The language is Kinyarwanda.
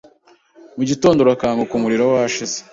mu gitondo urakanguka umuriro washize